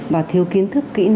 và thiếu kiến thức kỹ năng